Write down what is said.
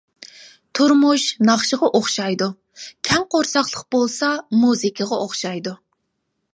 تۇرمۇش ناخشىغا ئوخشايدۇ، كەڭ قورساقلىق بولسا مۇزىكىغا ئوخشايدۇ.